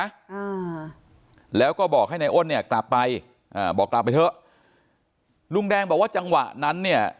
อ่าแล้วก็บอกให้นายอ้นเนี่ยกลับไปอ่าบอกกลับไปเถอะลุงแดงบอกว่าจังหวะนั้นเนี่ย